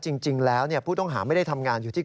จริงแล้วผู้ต้องหาไม่ได้ทำงานอยู่ที่